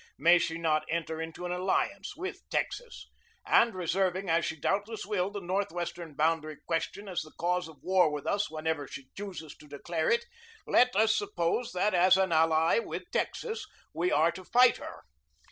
May she not enter into an alliance with Texas? And, reserving, as she doubtless will, the North western boundary question as the cause of war with us whenever she chooses to declare it let us suppose that, as an ally with Texas, we are to fight her.